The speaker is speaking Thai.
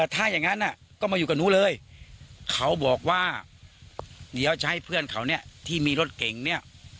ถ้าอย่างนั้นก็มาอยู่กับหนูเลยเขาบอกว่าเดี๋ยวจะให้เพื่อนเขาเนี่ยที่มีรถเก่งเนี่ย